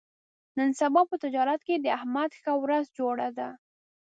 نن سبا په تجارت کې د احمد ښه ورځ جوړه ده.